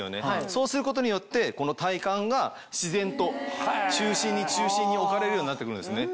そうすることによってこの体幹が自然と中心に中心に置かれるようになって来るんですね。